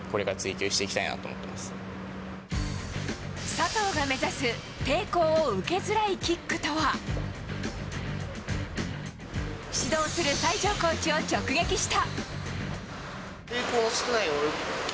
佐藤が目指す抵抗を受けづらいキックとは指導する西条コーチを直撃した。